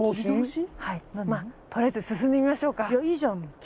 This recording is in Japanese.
とりあえず進んでみましょうか。